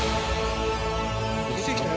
出てきたよ。